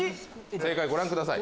正解ご覧ください。